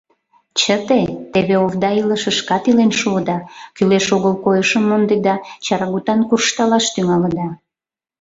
Чыте, теве овда илышышкат илен шуыда: кӱлеш-огыл койышым мондеда, чарагутан куржталаш тӱҥалыда...